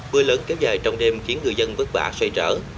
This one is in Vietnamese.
mưa lớn kéo dài trong đêm khiến người dân vất vả xoay trở